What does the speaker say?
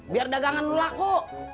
biar dagangan lu laku